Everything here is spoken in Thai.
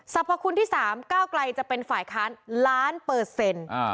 พคุณที่สามก้าวไกลจะเป็นฝ่ายค้านล้านเปอร์เซ็นต์